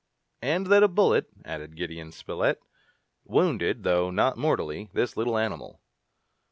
"And that a bullet," added Gideon Spilett, "wounded, though not mortally, this little animal."